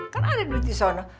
kan ada duit di sana